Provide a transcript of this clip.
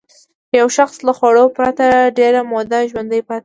یو شخص له خوړو پرته ډېره موده ژوندی پاتې شي.